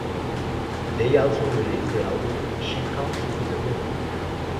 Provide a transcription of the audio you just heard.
They also released the album "She Comes Into The Room".